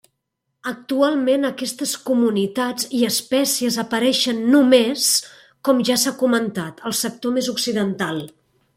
Actualment aquestes comunitats i espècies apareixen només, com ja s'ha comentat, al sector més occidental.